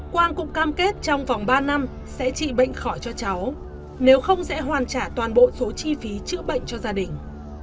quang cũng cam kết trong vòng ba năm sẽ trị bệnh khỏi cho cháu nếu không sẽ hoàn trả toàn bộ số chi phí chữa bệnh cho gia đình